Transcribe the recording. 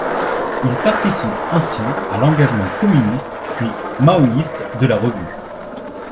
Il participe ainsi à l'engagement communiste, puis maoïste, de la revue.